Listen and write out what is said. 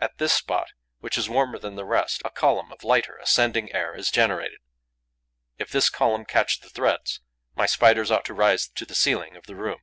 At this spot, which is warmer than the rest, a column of lighter, ascending air is generated. If this column catch the threads, my Spiders ought to rise to the ceiling of the room.